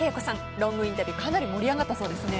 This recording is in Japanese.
ロングインタビューかなり盛り上がったそうですね。